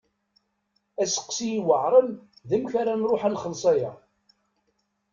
Asteqsi i yuɛṛen d amek ara nṛuḥ ad nxelleṣ aya.